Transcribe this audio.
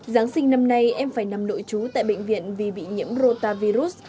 giáng sinh năm nay em phải nằm nội trú tại bệnh viện vì bị nhiễm rotavirus